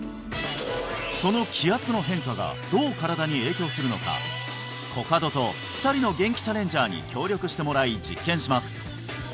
その気圧の変化がどう身体に影響するのかコカドと２人のゲンキチャレンジャーに協力してもらい実験します